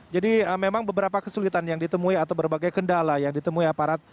jadi memang beberapa kesulitan yang ditemui atau berbagai kendala yang ditemui aparat